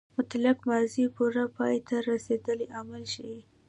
مطلق ماضي پوره پای ته رسېدلی عمل ښيي.